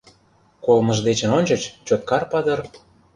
Колымыж дечын ончыч Чоткар-патыр